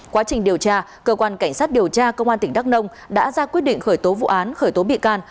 quá trình điều tra cơ quan cảnh sát điều tra công an tỉnh đắk nông đã ra quyết định khởi tố vụ án khởi tố bị can